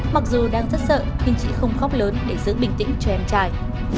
mặc dù đang rất sợ nhưng chị không khóc lớn để giữ bình tĩnh cho em trai